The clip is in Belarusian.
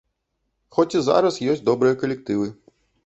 Хоць і зараз ёсць добрыя калектывы.